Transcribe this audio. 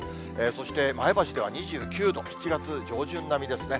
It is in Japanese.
そして前橋では２９度、７月上旬並みですね。